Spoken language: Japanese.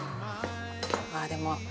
ああでも。